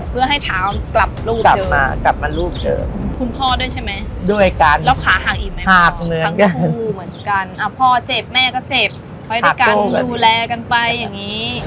ไปด้วยกันดูแลกันไปอย่างนี้